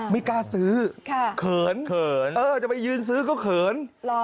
ไม่กล้าซื้อเขินจะไปยืนซื้อก็เขิน